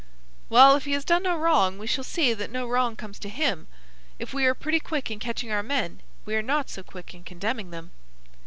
"Well, if he has done no wrong we shall see that no wrong comes to him. If we are pretty quick in catching our men, we are not so quick in condemning them."